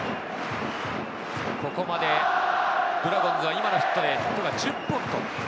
ここまでドラゴンズは今のヒットでヒットは１０本。